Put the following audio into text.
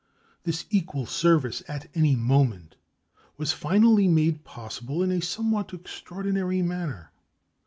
This equal service at any moment was finally made possible in a somewhat extraordinary manner.